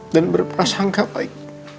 dan berperasanggah baik